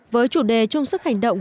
với chủ đề trung sức hành động